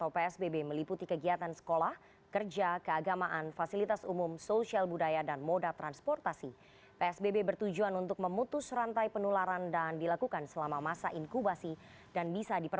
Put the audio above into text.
pembatasan sosial berskala besar